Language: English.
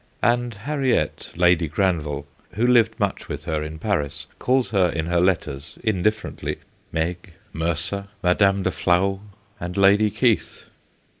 and Harriet, Lady Granville, who lived much with her in Paris, calls her in her letters indifferently Meg, Mercer, Madame de Fla hault, and Lady Keith.